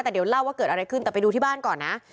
แต่เดี๋ยวเล่าว่าเกิดอะไรขึ้นแต่ไปดูที่บ้านก่อนนะ